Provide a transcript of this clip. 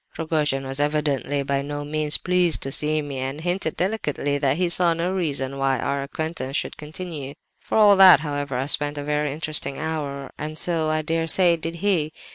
"Rogojin was evidently by no means pleased to see me, and hinted, delicately, that he saw no reason why our acquaintance should continue. For all that, however, I spent a very interesting hour, and so, I dare say, did he.